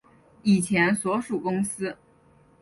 以前所属公司